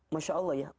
masya allah ya